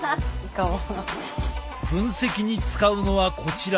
分析に使うのはこちら。